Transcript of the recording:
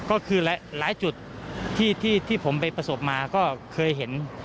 ก็คือหลายจุดที่ผมไปประสบมาก็เคยเห็น